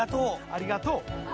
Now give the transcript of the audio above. ありがとう。